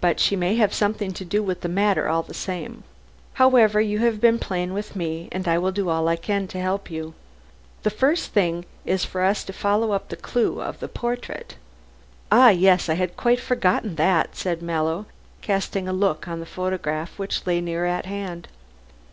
"But she may have something to do with the matter all the same. However, you have been plain with me, and I will do all I can to help you. The first thing is for us to follow up the clue of the portrait." "Ah, yes! I had quite forgotten that," said Mallow, casting a look on the photograph which lay near at hand.